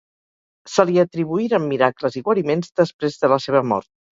Se li atribuïren miracles i guariments després de la seva mort.